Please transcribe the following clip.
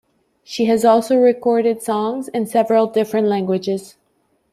She has also recorded songs in several different languages.